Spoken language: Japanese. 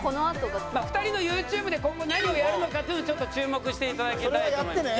２人のユーチューブで今後何をやるのかっていうのもちょっと注目していただきたいと思います。